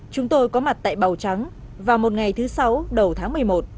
chúng tôi có mặt tại bào trắng vào một ngày thứ sáu đầu tháng một mươi một